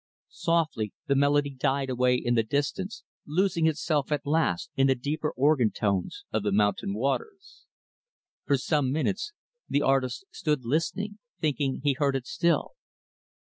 Softly, the melody died away in the distance losing itself, at last, in the deeper organ tones of the mountain waters. For some minutes, the artist stood listening thinking he heard it still.